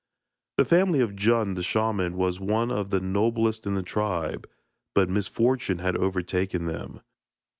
The family of Djun the shaman was one of the noblest in the tribe, but misfortune had overtaken them.